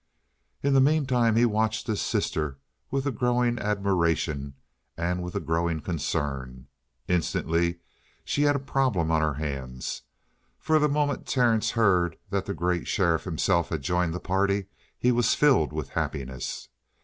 In the meantime he watched his sister with a growing admiration and with a growing concern. Instantly she had a problem on her hands. For the moment Terence heard that the great sheriff himself had joined the party, he was filled with happiness.